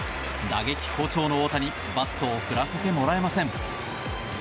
打撃好調の大谷バットを振らせてもらえません。